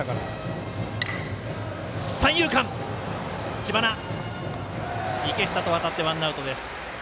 知花、池下とわたってワンアウトです。